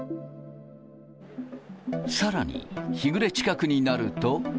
さらに、日暮れ近くになると。